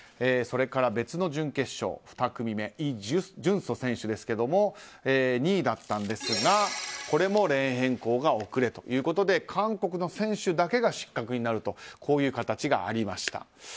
それから、別の準決勝２組目イ・ジュンソ選手ですが２位だったんですがこれもレーン変更が遅れということで韓国の選手だけが失格になるとこういう形がありました。